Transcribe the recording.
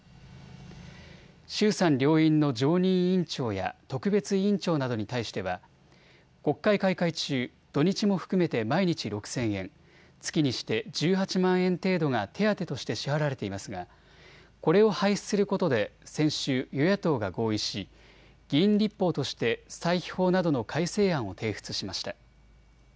衆参両院の常任委員長や特別委員長などに対しては国会開会中、土日も含めて毎日６０００円、月にして１８万円程度が手当として支払われていますがこれを廃止することで先週、与野党が合意し議員立法として歳費法などの改正案を提出しました。